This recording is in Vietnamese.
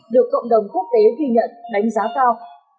được cộng đồng quốc tế ghi nhận đánh giá cao